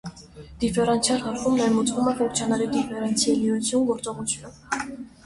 Դիֆերենցիալ հաշվում ներմուծվում է ֆունկցիաների դիֆերենցելիություն գործողությունը։